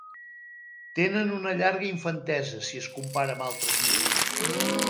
Tenen una llarga infantesa, si es compara amb altres micos.